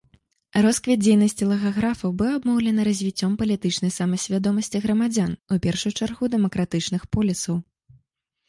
Росквіт дзейнасці лагаграфаў быў абумоўлены развіццём палітычнай самасвядомасці грамадзян, у першую чаргу дэмакратычных полісаў.